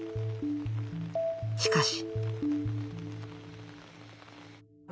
しかし。